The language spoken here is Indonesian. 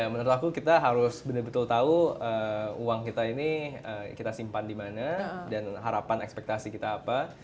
menurut aku kita harus benar benar tahu uang kita ini kita simpan di mana dan harapan ekspektasi kita apa